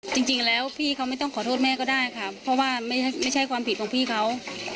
จริงแล้วพี่เขาไม่ต้องขอโทษแม่ก็ได้ค่ะเพราะว่าไม่ใช่ความผิดของพี่เขา